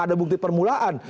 ada bukti permulaan